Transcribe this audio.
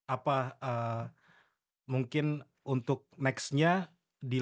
apa mungkin untuk nextnya dila